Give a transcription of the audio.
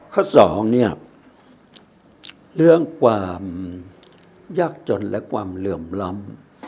สองเนี่ยเรื่องความยากจนและความเหลื่อมล้ำ